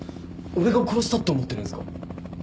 俺が殺したって思ってるんすか？